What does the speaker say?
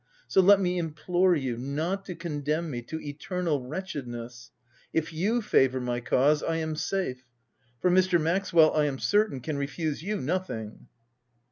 So let me implore you not to condemn me to eternal wretched ness : if you favour my cause, I am safe ; for Mr. Maxwell, I am certain, can refuse you nothing."